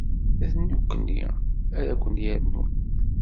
D nekkni ara ken-yernun.